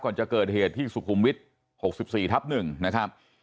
ก่อนจะเกิดเหตุที่สุขุมวิทย์๖๔ทับ๑นะครับ